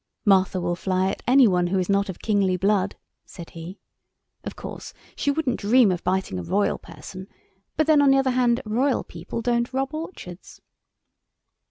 "Martha will fly at any one who is not of kingly blood," said he. "Of course she wouldn't dream of biting a royal person; but, then, on the other hand, royal people don't rob orchards."